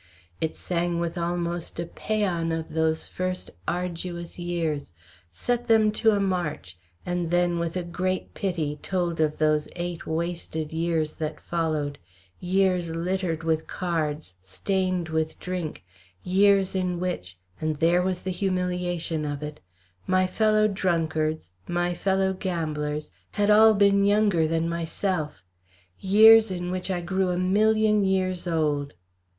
It sang with almost a pæan of those first arduous years set them to a march, and then with a great pity told of those eight wasted years that followed years littered with cards, stained with drink; years in which, and there was the humiliation of it, my fellow drunkards, my fellow gamblers had all been younger than myself years in which I grew a million years old.